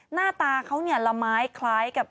หน้าตาเขาเนี่ยละไม้คล้ายกับ